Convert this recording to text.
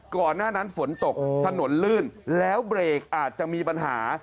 ก่อนหน้านั้นฝนตกถนนลื่นแล้วเบรกอาจจะมีปัญหา